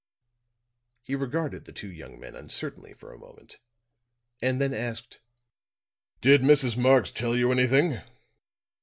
He regarded the two young men uncertainly for a moment; and then asked: "Did Mrs. Marx tell you anything?"